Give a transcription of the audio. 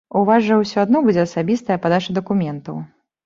У вас жа ўсё адно будзе асабістая падача дакументаў.